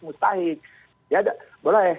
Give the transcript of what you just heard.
mustahik ya boleh